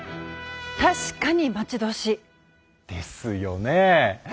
確かに待ち遠しい。ですよねえ！